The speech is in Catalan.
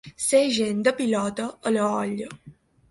Ser gent de pilota a l'olla.